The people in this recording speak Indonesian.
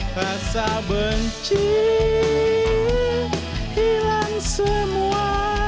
rasa benci hilang semua